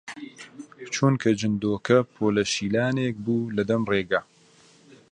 چونکە جندۆکە پۆلە شیلانێک بوو لە دەم ڕێگە